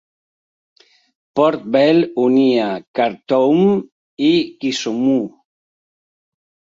Port Bell unia Khartoum i Kisumu.